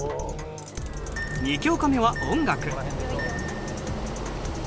２教科目は音楽。